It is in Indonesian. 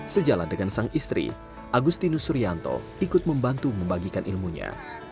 sejalan dengan sang istri agustinus suryanto ikut membantu membagikan ilmunya